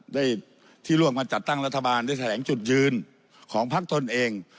ได้ที่ร่วมมาจัดตั้งรัฐบาลได้แถลงจุดยืนของพักตนเอง